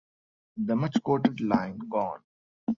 The much-"quoted" line "Gone!